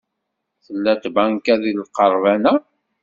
Tella tbanka deg lqerban-a?